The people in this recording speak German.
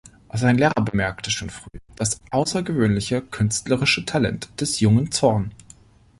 Sein Lehrer bemerkte schon früh das außergewöhnliche künstlerische Talent des jungen Zorn.